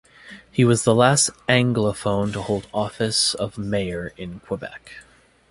He was the last Anglophone to hold the office of mayor in Quebec.